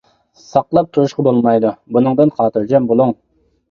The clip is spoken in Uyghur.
ساقلاپ تۇرۇشقا بولمايدۇ؟ -بۇنىڭدىن خاتىرجەم بۇلۇڭ.